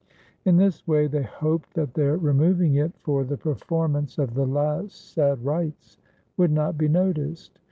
In this way they hoped that their removing it for the performance of the last sad rites would not be noticed.